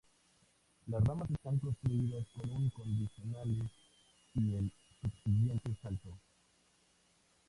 Las ramas están construidas con un condicionales y el subsiguiente salto.